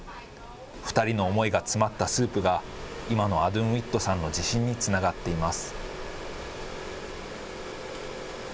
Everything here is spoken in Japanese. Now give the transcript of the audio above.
２人の思いが詰まったスープが、今のアドゥンウィットさんの自信につながっています。